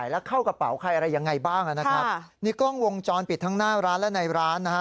ลงจรปิดทั้งหน้าร้านและในร้านนะฮะ